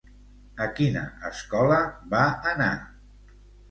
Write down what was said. A quina escola va anar?